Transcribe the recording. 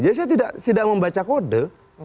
jadi saya tidak membaca kode